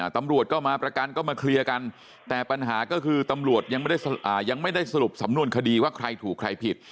ตำรวจก็มาประกันก็มาเคลียร์กันแต่ปัญหาก็คือตำรวจยังไม่ได้ยังไม่ได้สรุปสำนวนคดีว่าใครถูกใครผิด